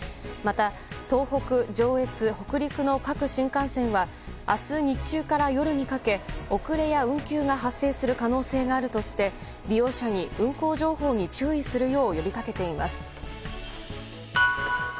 また、東北、上越、北陸の各新幹線は明日日中から夜にかけ遅れや運休が発生する可能性があるとして利用者に運行情報に注意するよう呼びかけています。